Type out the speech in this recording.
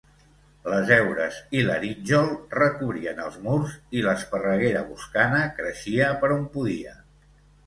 Les heures i l'arítjol recobrien els murs, i l'esparreguera boscana creixia per on podia.